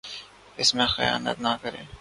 اس میں خیانت نہ کرے